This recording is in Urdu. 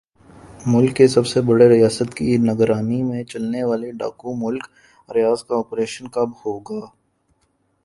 ملک کے سب سے بڑے ریاست کی نگرانی میں چلنے والے ڈاکو ملک ریاض کا آپریشن کب ھوگا